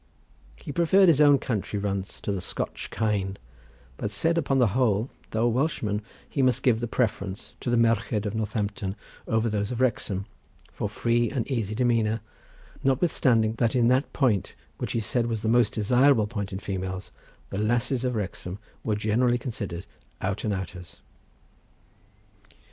He preferred his own country runts to the Scotch kine, but said upon the whole, though a Welshman, he must give a preference to the merched of Northampton over those of Wrexham, for free and easy demeanour, notwithstanding that in that point which he said was the most desirable point in females, the lasses of Wrexham were generally considered out and outers.